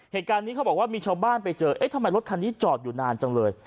เหตุการณ์นี้เขาบอกว่ามีชาวบ้านไปเจอเอ๊ะทำไมรถคันนี้จอดอยู่นานจังเลย